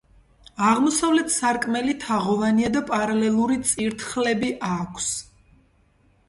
აღმოსავლეთ სარკმელი თაღოვანია და პარალელური წირთხლები აქვს.